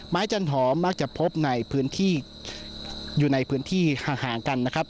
จันหอมมักจะพบในพื้นที่อยู่ในพื้นที่ห่างกันนะครับ